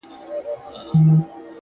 سیاه پوسي ده’ قندهار نه دی’